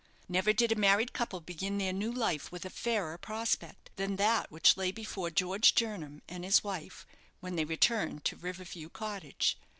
Never did a married couple begin their new life with a fairer prospect than that which lay before George Jernam and his wife when they returned to River View Cottage.